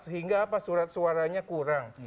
sehingga apa surat suaranya kurang